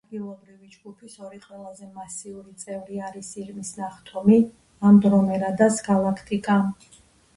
ადგილობრივი ჯგუფის ორი ყველაზე მასიური წევრი არის „ირმის ნახტომი“ და ანდრომედას გალაქტიკა.